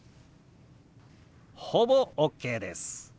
ほぼＯＫです。